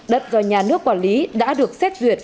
đất do nhà nước quản lý đã được xét duyệt